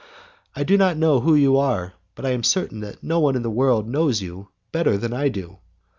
I do not know who you are, but I am certain that no one in the world knows you better than I do.